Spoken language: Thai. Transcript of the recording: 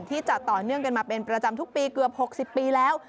จัดต่อเนื่องกันมาเป็นประจำทุกปีเกือบ๖๐ปีแล้ว